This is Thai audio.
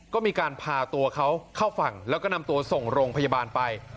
ก็มีการพาตัวเขาเข้าฝั่งแล้วก็นำตัวส่งโรงพยาบาลไป